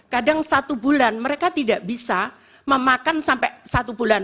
kadang satu bulan mereka tidak bisa memakan sampai satu bulan